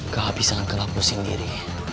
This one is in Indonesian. kehabisan kelaku sendiri